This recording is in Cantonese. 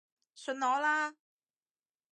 信我啦